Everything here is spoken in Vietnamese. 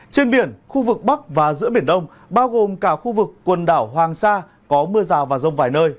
trên biển khu vực bắc và giữa biển đông bao gồm cả khu vực quần đảo hoàng sa có mưa rào và rông vài nơi